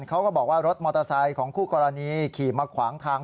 เขาก็บอกว่ารถมอเตอร์ไซค์ของคู่กรณีขี่มาขวางทาง